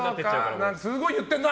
すごい言ってんな！